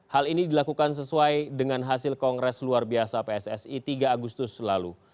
hal ini dilakukan sesuai dengan hasil kongres luar biasa pssi tiga agustus lalu